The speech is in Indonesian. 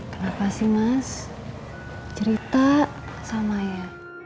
kenapa sih mas cerita sama ya